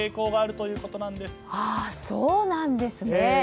そうなんですね。